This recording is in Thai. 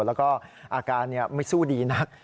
แล้วก็อาการไม่สู้ดีนัก